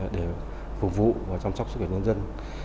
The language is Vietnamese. để phục vụ và chăm sóc sức khỏe nhân dân